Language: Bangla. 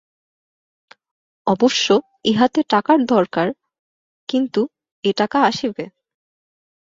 অবশ্য ইহাতে টাকার দরকার, কিন্ত এ টাকা আসিবে।